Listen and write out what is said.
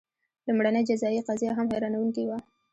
لومړنۍ جزايي قضیه هم حیرانوونکې وه.